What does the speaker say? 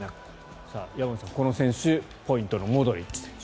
山口さん、この選手ポイントのモドリッチ選手。